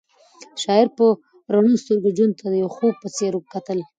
شاعر په رڼو سترګو ژوند ته د یو خوب په څېر کتل.